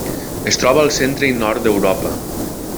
Es troba al centre i nord d'Europa.